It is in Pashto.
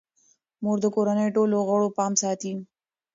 مور د کورنۍ ټولو غړو پام ساتي.